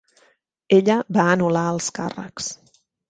Ella va anular els càrrecs.